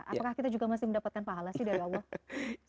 apakah kita juga masih mendapatkan pahala sih dari allah